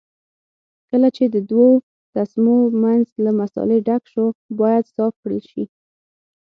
کله چې د دوو تسمو منځ له مسالې ډک شو باید صاف کړل شي.